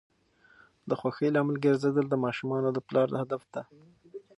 د خوښۍ لامل ګرځیدل د ماشومانو د پلار هدف دی.